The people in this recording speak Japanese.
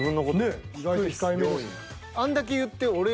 ねえ意外と控えめですね。